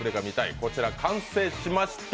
こちら、完成しました。